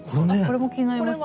これも気になりました。